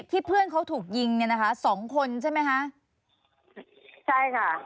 ที่เพื่อนเขาถูกยิงนะคะสองคนใช่ไหมคะ